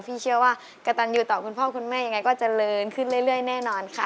พี่เชื่อว่ากระตันอยู่ต่อคุณพ่อคุณแม่ยังไงก็เจริญขึ้นเรื่อยแน่นอนค่ะ